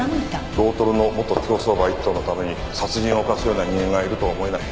ロートルの元競走馬１頭のために殺人を犯すような人間がいるとは思えない。